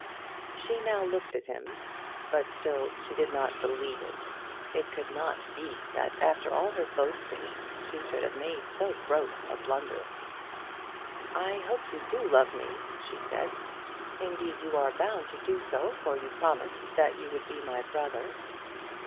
She now looked at him; but still she did not believe it. It could not be that after all her boastings she should have made so gross a blunder. "I hope you do love me," she said; "indeed, you are bound to do so, for you promised that you would be my brother."